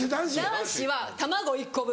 男子は卵１個分。